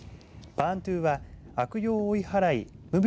パーントゥは悪霊を追い払い無病